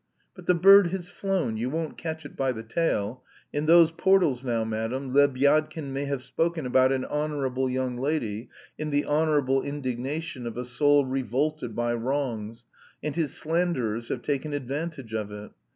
But the bird has flown, you won't catch it by the tail. In those portals now, madam, Lebyadkin may have spoken about an honourable young lady, in the honourable indignation of a soul revolted by wrongs, and his slanderers have taken advantage of it.